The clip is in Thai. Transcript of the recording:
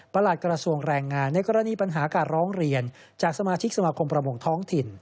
หลัดกระทรวงแรงงานในกรณีปัญหาการร้องเรียนจากสมาชิกสมาคมประมงท้องถิ่น